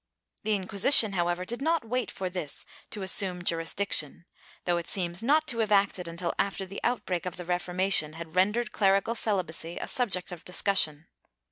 The Inquisition, however, did not wait for this to assume juris diction, though it seems not to have acted until after the outbreak of the Reformation had rendered clerical celibacy a subject of discussion.